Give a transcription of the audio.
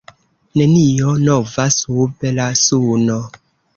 Nenio nova sub la suno.